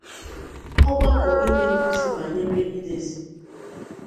Ọgbakọ inye nkụzi banyere idezi